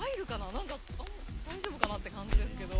何かあんま大丈夫かなって感じですけど。